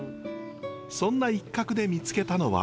そんな一角で見つけたのは。